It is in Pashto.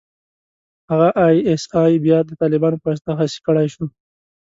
هغه ای اس ای بيا د طالبانو په واسطه خصي کړای شو.